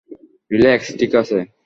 Relax, ঠিক আছে?